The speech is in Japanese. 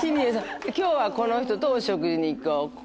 今日はこの人とお食事に行こう。